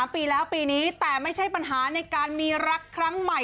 ปีแล้วปีนี้แต่ไม่ใช่ปัญหาในการมีรักครั้งใหม่